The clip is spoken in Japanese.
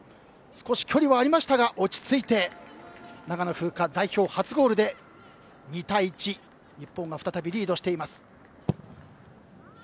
少し距離はありましたが落ち着いて長野が代表初ゴールで２対１、日本が再びリードしています。